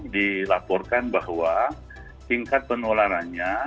dilaporkan bahwa tingkat penularannya